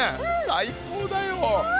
最高だよ。